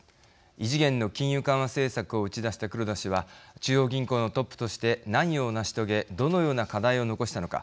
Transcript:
異次元の金融緩和政策を打ち出した黒田氏は中央銀行のトップとして何を成し遂げどのような課題を残したのか。